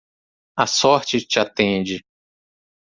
A sorte te atende!